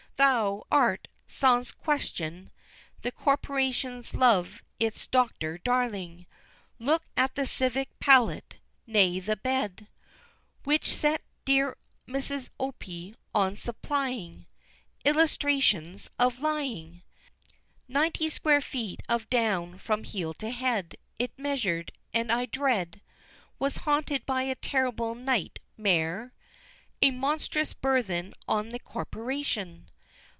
Thou art, sans question, The Corporation's love its Doctor Darling! Look at the Civic Palate nay, the Bed Which set dear Mrs. Opie on supplying Illustrations of Lying! Ninety square feet of down from heel to head It measured, and I dread Was haunted by a terrible night Mare, A monstrous burthen on the corporation!